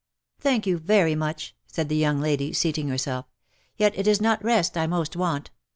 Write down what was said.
" Thank you very much," said the young lady, seating herself. " Yet it is not rest I most want.